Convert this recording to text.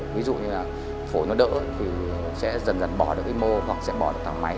ví dụ như là phổi nó đỡ thì sẽ dần dần bỏ được cái mô hoặc sẽ bỏ được tảng máy